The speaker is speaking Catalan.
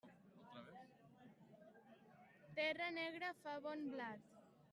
Terra negra fa bon blat.